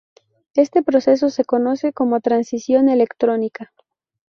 Este proceso se conoce como transición electrónica.